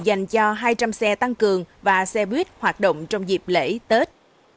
dành cho hai trăm linh xe tăng cường và xe buýt hoạt động trong dịp lễ tết